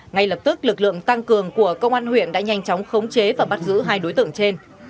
ngay lập tức lực lượng tăng cường của công an huyện đã nhanh chóng khống chế và bắt giữ hai đối tượng trên